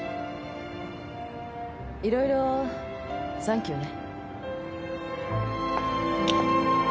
いろいろサンキューね。